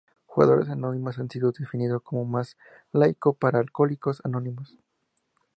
Jugadores Anónimos ha sido definido como más laico que Alcohólicos Anónimos.